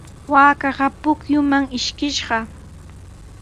Waakaqa pukyuman ishkishqa.